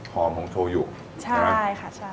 หอมของโชโยคใช่ไหมคะ